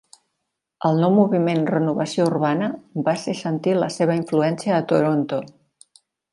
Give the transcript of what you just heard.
El nou moviment "renovació urbana" va ser sentir la seva influència a Toronto.